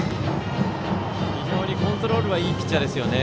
非常にコントロールがいいピッチャーですよね。